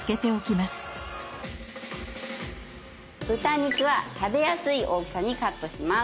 肉は食べやすい大きさにカット。